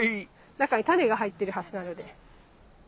中にタネが入ってるはずなので。